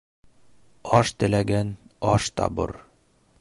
Аш теләгән аш табыр